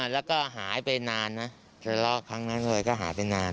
แล้วก็หายไปนานนะทะเลาะครั้งนั้นเลยก็หายไปนาน